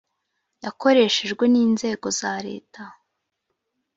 yakoreshejwe n inzego za leta